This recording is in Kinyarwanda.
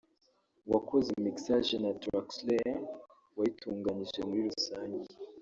wakoze mixage na Truckslayer wayitunganyije muri rusange